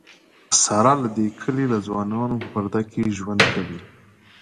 ساره له د کلي له ځوانانونه په پرده کې ژوند کوي.